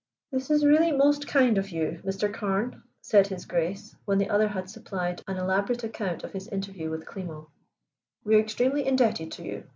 "This is really most kind of you, Mr. Carne," said His Grace when the other had supplied an elaborate account of his interview with Klimo. "We are extremely indebted to you.